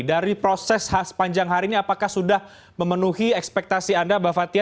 dari proses sepanjang hari ini apakah sudah memenuhi ekspektasi anda mbak fathia